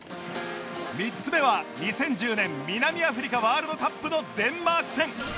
３つ目は２０１０年南アフリカワールドカップのデンマーク戦